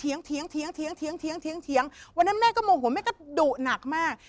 เถียงวันนั้นแม่ก็โมโหแม่ก็ดุหนักมาก